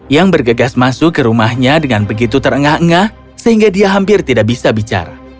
yang bergegas masuk ke rumahnya dengan begitu terengah engah sehingga dia hampir tidak bisa bicara